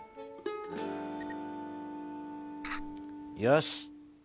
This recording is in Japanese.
よし！